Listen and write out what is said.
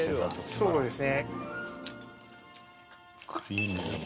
そうですね。